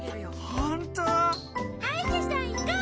ほんとう！？はいしゃさんいこう！